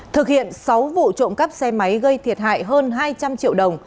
thực hiện sáu vụ trộm cắp xe máy gây thiệt hại hơn hai trăm linh triệu đồng